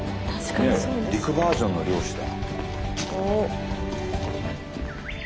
陸バージョンの漁師だ。